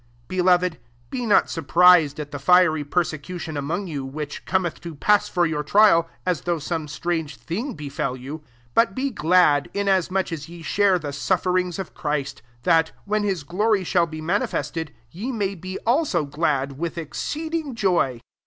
Its Beloved, be not surpris ed at the fiery persecution among you, which cometh to pass for your trial, as though S<»aae strange thing befel you : IS but be glad, inasmuch as ye ^«Mre the sufferings of Christ ; tSoLt, when his glory shall be manifested, ye may be also glad with exceeding joy.